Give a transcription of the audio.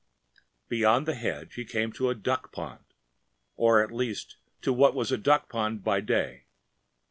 ‚ÄĚ Beyond the hedge he came to the duck pond, or at least to what was the duck pond by day.